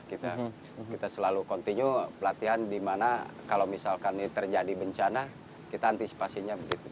kita selalu continue pelatihan di mana kalau misalkan ini terjadi bencana kita antisipasinya begitu